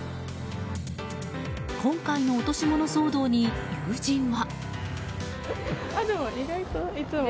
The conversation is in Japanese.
今回の落とし物騒動に友人は。